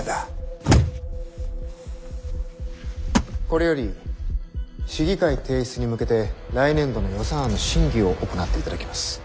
これより市議会提出に向けて来年度の予算案の審議を行っていただきます。